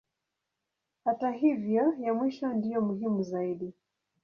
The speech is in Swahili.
Hata hivyo ya mwisho ndiyo muhimu zaidi.